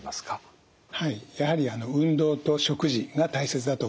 はいやはり運動と食事が大切だと思います。